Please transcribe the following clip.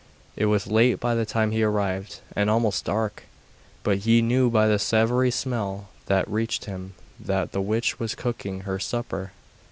It was late by the time he arrived, and almost dark, but he knew by the savoury smell that reached him that the witch was cooking her supper.